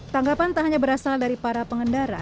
tanggapan tak hanya berasal dari para pengendara